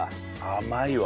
甘いわ。